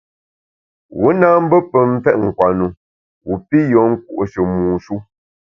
Wu ka mbe pe mfèt nkwenu wu pi yùen nkùo’she mu shu.